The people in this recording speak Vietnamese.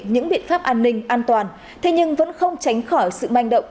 những biện pháp an ninh an toàn thế nhưng vẫn không tránh khỏi sự manh động